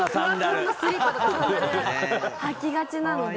ふわふわのスリッパとかサンダル履きがちなので。